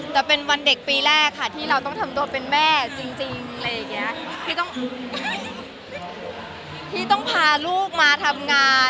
แต่เป็นวันเด็กปีแรกค่ะที่เราต้องทำตัวเป็นแม่จริงที่ต้องพาลูกมาทำงาน